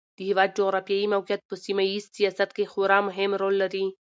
د هېواد جغرافیایي موقعیت په سیمه ییز سیاست کې خورا مهم رول لري.